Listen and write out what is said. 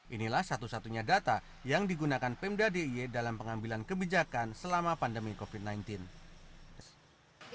inilah satu satunya data yang digunakan pemda d i e dalam pengambilan kebijakan selama pandemi covid sembilan belas